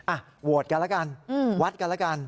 อะโหวตกันละกันวัดกันละกัน